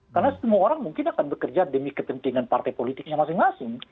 karena semua orang mungkin akan bekerja demi ketentingan partai politiknya masing masing